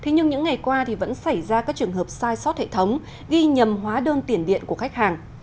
nhưng những ngày qua vẫn xảy ra các trường hợp sai sót hệ thống ghi nhầm hóa đơn tiền điện của khách hàng